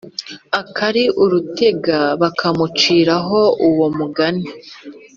akari urutega, bakamuciraho uwo mugani